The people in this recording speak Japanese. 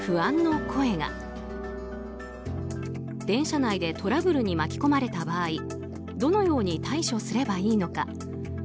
電車内でトラブルに巻き込まれた場合どのように対処すればいいのか。